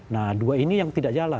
nah dua ini yang dianggap